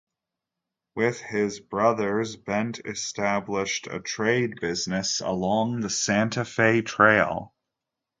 With his brothers, Bent established a trade business along the Santa Fe Trail.